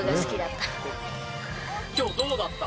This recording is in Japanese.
今日どうだった？